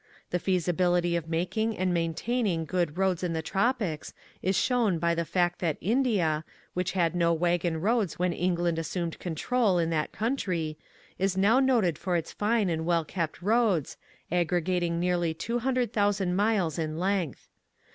The feasi bility of making and maintaining good roads in the tropics is shown b}' the fact that India, which had no wagon roads when England assumed control in that country, is now noted for its fine and well kept roads, aggregating nearly 200^ coo miles in length.